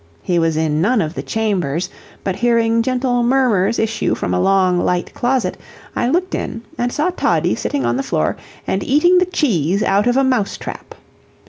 He was in none of the chambers, but hearing gentle murmurs issue from a long, light closet, I looked in and saw Toddie sitting on the floor, and eating the cheese out of a mouse trap.